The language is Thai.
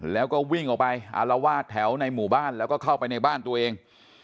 แล้วก็วิ่งออกไปอารวาสแถวในหมู่บ้านแล้วก็เข้าไปในบ้านตัวเอง